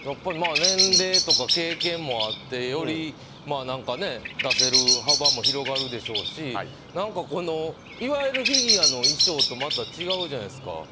年齢とか経験もあってより出せる幅も広がるでしょうしいわゆるフィギュアの衣装とまた違うじゃないですか。